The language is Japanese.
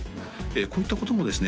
こういったこともですね